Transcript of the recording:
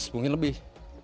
seratus mungkin lebih